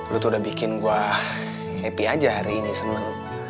lu tuh udah bikin gue happy aja hari ini seneng